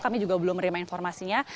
kami juga belum menerima informasinya